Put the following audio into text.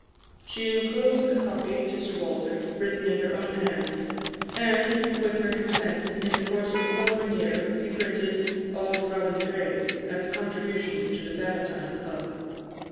She enclosed a copy to Sir Walter, written in her own hand; and, with her consent, in the course of the following year, he printed "Auld Robin Gray" as a contribution to the Bannatyne Club.